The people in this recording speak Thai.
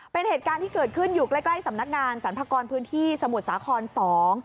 เป็นเหตุการณ์ที่เกิดขึ้นอยู่ใกล้ใกล้สำนักงานสรรพากรพื้นที่สมุทรสาครสอง